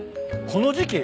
この時季？